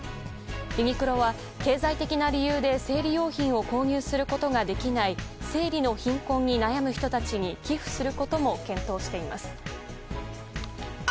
ユニクロは経済的な理由で生理用品を購入することができない生理の貧困に悩む人たちに寄付することも検討しています。